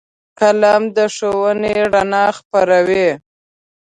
قلم د ښوونې رڼا خپروي